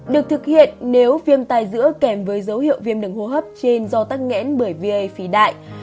được thực hiện nếu viêm tay dữa kèm với dấu hiệu viêm đứng hô hấp trên do tắc nghẽn bởi va phí đại